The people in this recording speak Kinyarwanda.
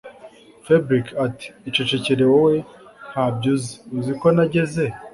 Fabric atiicecekere wowe ntabyo uzi uziko nageze